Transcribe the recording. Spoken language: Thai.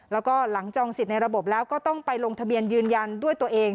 แล้วก็หลังจองสิทธิ์ในระบบแล้วก็ต้องไปลงทะเบียนยืนยันด้วยตัวเอง